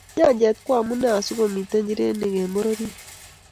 Nyanjet ko amune asikomito nchirenik eng' bororiet.